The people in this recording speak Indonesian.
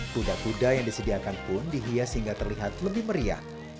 kuda kuda yang disediakan pun dihias hingga terlihat lebih meriah